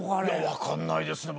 分かんないです。